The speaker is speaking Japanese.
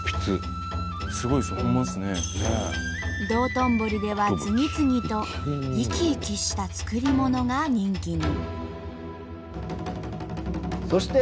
道頓堀では次々と生き生きした作り物が人気に。